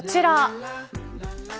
こちら。